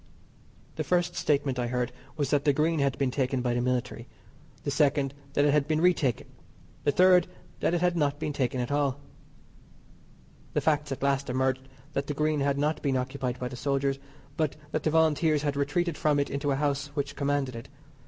The first statement I heard was that the Green had been taken by the military; the second that it had been re taken; the third that it had not been taken at all. The facts at last emerged that the Green had not been occupied by the soldiers, but that the Volunteers had retreated from it into a house which commanded it.